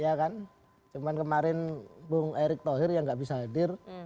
iya kan cuman kemarin bung erik thohir yang enggak bisa hadir